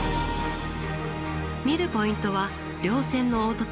見るポイントは稜線の凹凸。